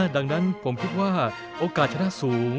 ดังนั้นผมคิดว่าโอกาสชนะสูง